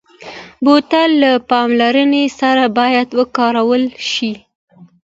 بوتل له پاملرنې سره باید وکارول شي.